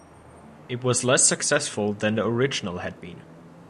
It was less successful than the original had been.